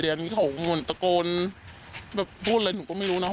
หัวไวเหง่าคือหนูสงสัย